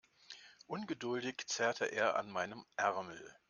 Ungeduldig zerrte er an meinem Ärmel.